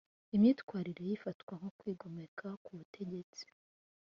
Imyitwarire ye ifatwa nko kwigomeka k’ubutegetsi